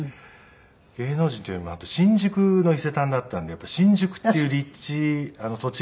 芸能人っていうよりも新宿の伊勢丹だったんでやっぱり新宿っていう立地あの土地柄ね。